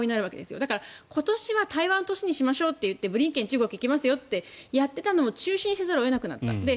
だから、今年は対話の年にしましょうと言ってブリンケン国務長官が中国に行きますよってやっていたのも中止にせざるを得なくなった。